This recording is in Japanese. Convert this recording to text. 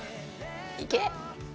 いけ！